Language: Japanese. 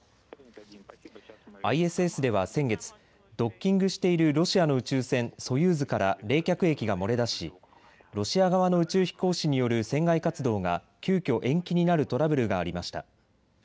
ＩＳＳでは先月、ドッキングしているロシアの宇宙船、ソユーズから冷却液が漏れ出しロシア側の宇宙飛行士による船外活動が急きょ、延期になるトラブルがありました。